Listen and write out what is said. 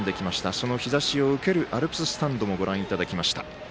その日ざしを受けるアルプススタンドもご覧いただきました。